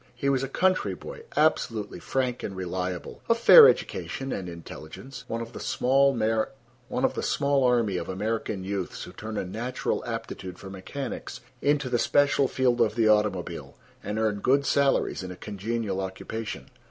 He was a country boy, absolutely frank and reliable, of fair education and intelligence—one of the small army of American youths who turn a natural aptitude for mechanics into the special field of the automobile, and earn good salaries in a congenial occupation.